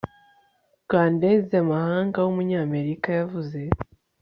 rwandaisen amahanga w umunyamerika yavuze